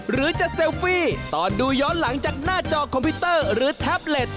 หรือจะเซลฟี่ตอนดูย้อนหลังจากหน้าจอคอมพิวเตอร์หรือแท็บเล็ต